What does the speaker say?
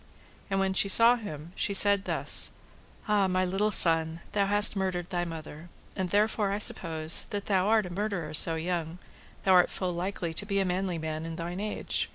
And when she saw him she said thus: Ah, my little son, thou hast murdered thy mother, and therefore I suppose, thou that art a murderer so young, thou art full likely to be a manly man in thine age.